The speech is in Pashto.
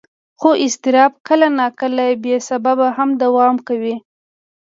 خو اضطراب کله ناکله بې سببه هم دوام کوي.